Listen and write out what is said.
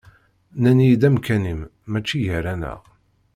Nnan-iyi-d amkan-im mačči gar-aneɣ.